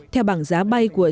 theo bảng giá bay của